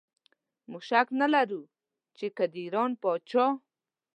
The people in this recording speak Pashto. موږ شک نه لرو چې که د ایران پاچا.